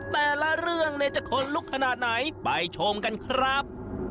แต่ละเรื่องจะขนลุกขนาดไหนไปชมกันครับ